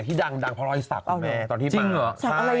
ที่ดังนะพอลอยศักดิ์แม่ตอนที่มา